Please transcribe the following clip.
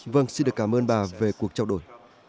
vâng xin được cảm ơn bà về cuộc trao đổi